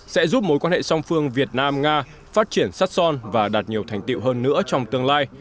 sẽ giúp mối quan hệ song phương việt nam nga phát triển sắt son và đạt nhiều thành tiệu hơn nữa trong tương lai